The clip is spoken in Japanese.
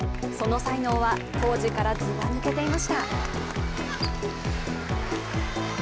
その才能は当時からずば抜けていました。